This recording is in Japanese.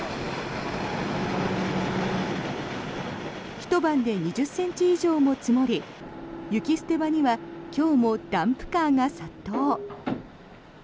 ひと晩で２０ｃｍ以上も積もり雪捨て場には今日もダンプカーが殺到。